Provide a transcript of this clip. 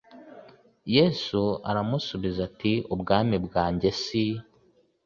yesu aramusubiza ati ubwami bwanjye si